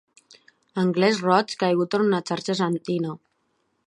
Anglès roig caigut en una xarxa argentina.